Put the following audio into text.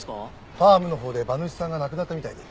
ファームのほうで馬主さんが亡くなったみたいで。